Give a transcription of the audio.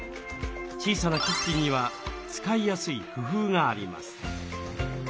小さなキッチンには使いやすい工夫があります。